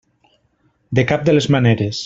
De cap de les maneres.